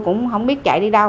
cũng không biết chạy đi đâu